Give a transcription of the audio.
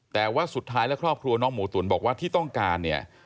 แต่ว่าสุดท้ายแล้วครอบครัวน้องหมูตุ๋นบอกว่าที่ต้องการเนี่ย